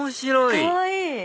かわいい！